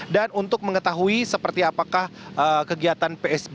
dan untuk mengetahui seperti apakah kegiatan psbb